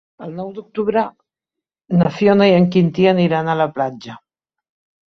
El nou d'octubre na Fiona i en Quintí aniran a la platja.